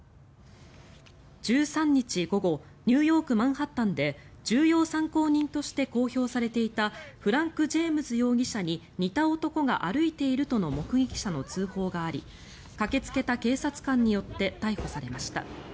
１３日午後ニューヨーク・マンハッタンで重要参考人として公表されていたフランク・ジェームズ容疑者に似た男が歩いているとの目撃者の通報があり駆けつけた警察官によって逮捕されました。